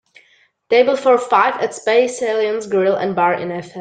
table for five at Space Aliens Grill & Bar in FM